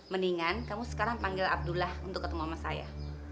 mendingan kamu sekarang panggil abdullah untuk ketemu sama saya